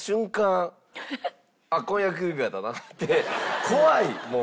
「あっ婚約指輪だな」って怖いもう。